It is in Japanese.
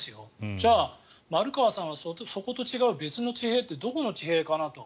じゃあ、丸川さんはそこと違う別の地平ってどこの地平かなと。